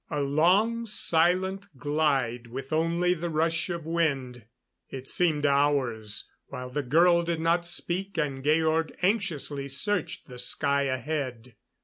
A long, silent glide, with only the rush of wind. It seemed hours, while the girl did not speak and Georg anxiously searched the sky ahead.